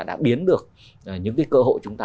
đã biến được những cái cơ hội chúng ta